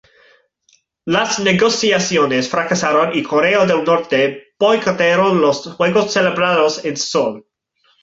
Las negociaciones fracasaron y Corea del Norte boicoteó los Juegos celebrados en Seúl.